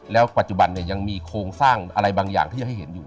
แล้วปัจจุบันเนี่ยยังมีโครงสร้างอะไรบางอย่างที่จะให้เห็นอยู่